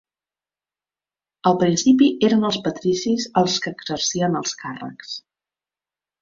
Al principi eren els patricis els que exercien els càrrecs.